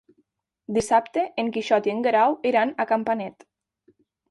Dissabte en Quixot i en Guerau iran a Campanet.